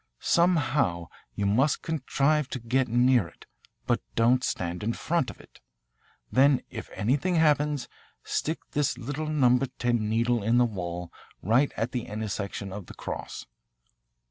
Somehow you must contrive to get near it, but don't stand in front of it. Then if anything happens stick this little number 10 needle in the wall right at the intersection of the cross.